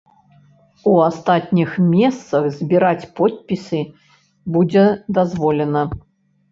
У астатніх месцах збіраць подпісы будзе дазволена.